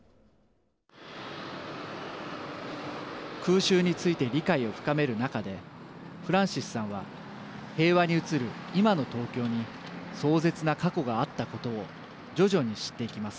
空襲について理解を深める中でフランシスさんは平和に映る今の東京に壮絶な過去があったことを徐々に知っていきます。